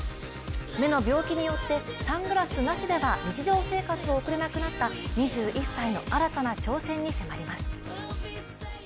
目の病気によってサングラスなしでは日常生活を送れなくなった２１歳の新たな挑戦に迫ります。